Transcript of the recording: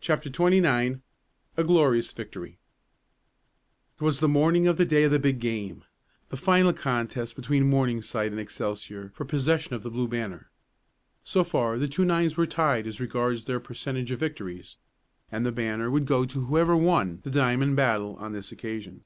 CHAPTER XXIX A GLORIOUS VICTORY It was the morning of the day of the big game the final contest between Morningside and Excelsior for the possession of the Blue Banner. So far the two nines were tied as regards their percentage of victories, and the banner would go to whoever won the diamond battle on this occasion.